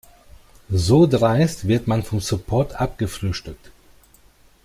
So dreist wird man vom Support abgefrühstückt.